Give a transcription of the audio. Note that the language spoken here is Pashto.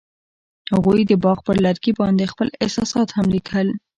هغوی د باغ پر لرګي باندې خپل احساسات هم لیکل.